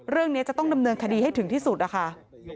เรื่องนี้จะต้องดำเนินคดีให้ถึงที่สุดนะคะ